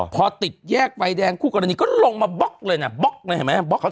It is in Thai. พอติดแยกไฟแดงคู่กรณีก็ลงมาบ๊อกเลยนะบ๊อกนะเห็นไหมบ๊อกจริง